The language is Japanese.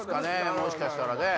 もしかしたらね。